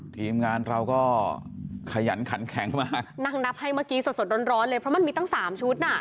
ทีมงานเราก็ขยันขันแข็งมานั่งนับให้เมื่อกี้สดสดร้อนเลยเพราะมันมีตั้งสามชุดน่ะ